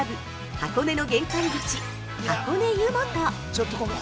箱根の玄関口、箱根湯本。